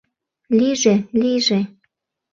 — Лийже, лийже...